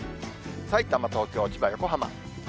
さいたま、東京、千葉、横浜。